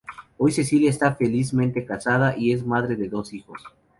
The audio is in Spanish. Hoy Cecilia está felizmente casada y es madre de dos hijos.